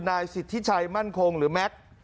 นายสิทธิชัยมั่นคงหรือแม็กซ์